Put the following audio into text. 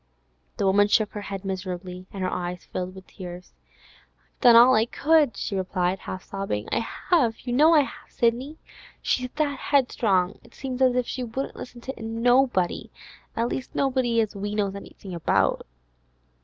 The woman shook her head miserably; her eyes filled with tears. 'I've done all I could,' she replied, half sobbing. 'I have; you know I have, Sidney! She's that 'eadstrong, it seems as if she wouldn't listen to nobody—at least nobody as we knows anything about.